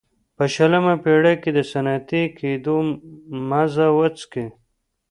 په شلمه پېړۍ کې د صنعتي کېدو مزه وڅکي.